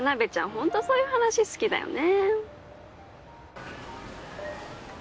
ホントそういう話好きだよね。